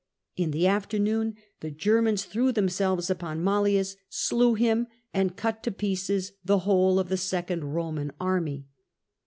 In the after noon the Germans threw themselves upon Mallius, slew him, and cut to pieces the whole of the second Roman army.